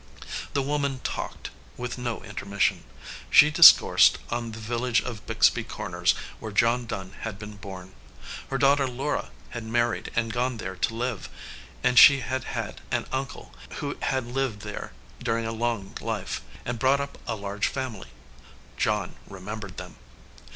The woman talked, with no intermission. She discoursed of the village of Bixby Corners, where John Dunn had been born. Her daughter Laura had married and gone there to live; and she had had an uncle who had lived there during a long life, and brought up a large family. John remembered them.